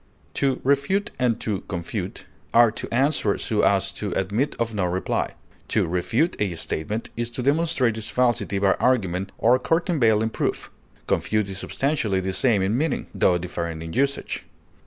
To refute and to confute are to answer so as to admit of no reply. To refute a statement is to demonstrate its falsity by argument or countervailing proof; confute is substantially the same in meaning, tho differing in usage.